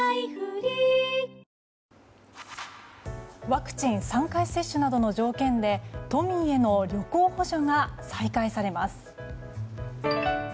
ワクチン３回接種などの条件で都民への旅行補助が再開されます。